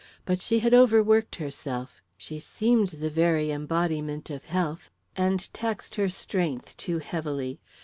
But she had overworked herself she seemed the very embodiment of health, and taxed her strength too heavily.